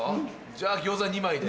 じゃあ餃子２枚で。